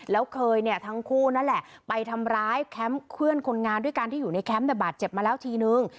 แล้วเคยเนี่ยทั้งคู่นั่นแหละไปทำร้ายแคมป์เพื่อนคนงานด้วยกันที่อยู่ในแคมป์แต่บาดเจ็บมาแล้วทีนึง